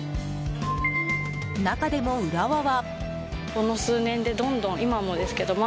中でも浦和は。